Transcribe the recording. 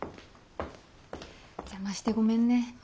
邪魔してごめんね。